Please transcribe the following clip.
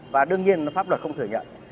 và đương nhiên nó pháp luật không thừa nhận